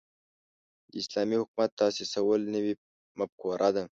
د اسلامي حکومت تاسیسول نوې مفکوره ده.